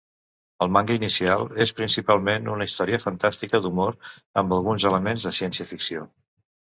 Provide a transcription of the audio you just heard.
El manga inicial és principalment una història fantàstica d'humor, amb alguns elements de ciència-ficció.